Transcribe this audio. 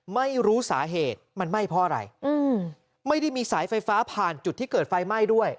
ไม่รู้สาเหตุมันไหม้เพราะอะไรอืมไม่ได้มีสายไฟฟ้าผ่านจุดที่เกิดไฟไหม้ด้วย